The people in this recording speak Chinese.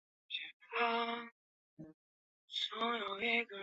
巴亭郡是越南首都河内市下辖的一个郡。